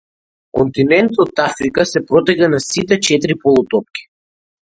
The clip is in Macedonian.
Континентот Африка се протега на сите четири полутопки.